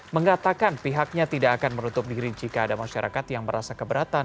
mengatakan pihaknya tidak akan menutup diri jika ada masyarakat yang merasa keberatan